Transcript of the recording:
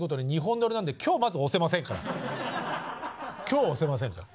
今日は押せませんから。